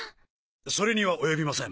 それには及びません。